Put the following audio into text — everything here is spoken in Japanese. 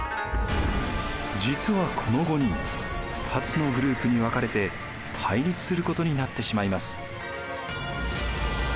実はこの５人２つのグループに分かれて対立することになってしまいます。